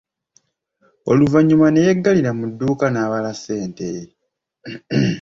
Oluvannyuma ne yeggalira mu dduuka n'abala ssente.